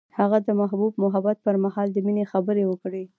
هغه د محبوب محبت پر مهال د مینې خبرې وکړې.